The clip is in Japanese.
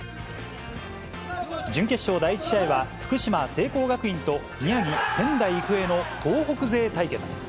準決勝第１試合は、福島・聖光学院と宮城・仙台育英の東北勢対決。